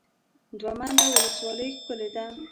دوه منده ولسوالۍ ښکلې ده؟